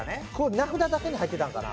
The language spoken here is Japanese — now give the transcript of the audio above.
名札だけに入ってたんかな。